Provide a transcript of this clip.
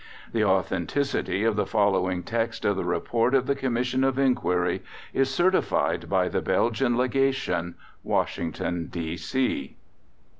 The authenticity of the following text of the Report of the Commission of Inquiry is certified by the Belgian Legation, Washington, D. C.